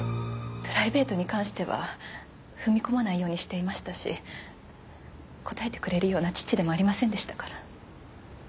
プライベートに関しては踏み込まないようにしていましたし答えてくれるような父でもありませんでしたから。